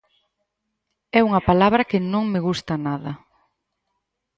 É unha palabra que non me gusta nada.